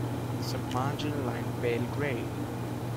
The submarginal line pale grey.